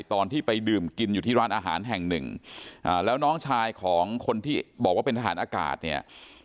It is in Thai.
ตอนที่ไปดื่มกินอยู่ที่ร้านอาหารแห่งหนึ่งแล้วน้องชายของคนที่บอกว่าเป็นทหารอากาศเนี่ย